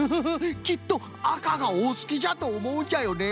きっとあかがおすきじゃとおもうんじゃよね。